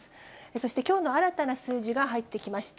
そして、きょうの新たな数字が入ってきました。